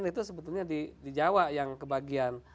nah karena memang itu di jawa yang kebagian